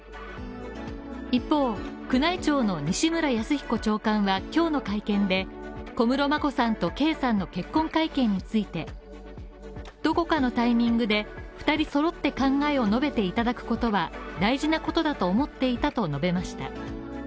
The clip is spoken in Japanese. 一方、宮内庁の西村泰彦長官は今日の会見で、小室眞子さんと圭さんの結婚会見についてどこかのタイミングで２人揃って考えを述べていただくことは大事なことだと思っていたと述べました。